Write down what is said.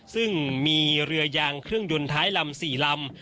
ซึ่งมีเรือยางเครื่องยนต์ท้ายลำ๔ลำ